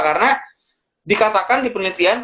karena dikatakan di penelitian